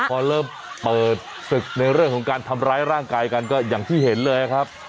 พอเริ่มเปิดศึกในเรื่องของการทำร้ายร่างกายกันก็อย่างที่เห็นเลยครับ